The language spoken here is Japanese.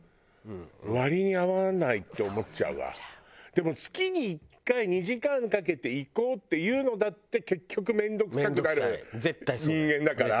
でも月に１回２時間かけて行こうっていうのだって結局面倒くさくなる人間だから。